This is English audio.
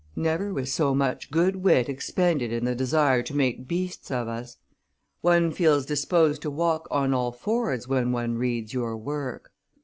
Never was so much good wit expended in the desire to make beasts of us; one feels disposed to walk on all fours when one reads your work.